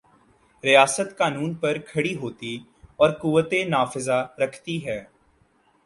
ریاست قانون پر کھڑی ہوتی اور قوت نافذہ رکھتی ہے۔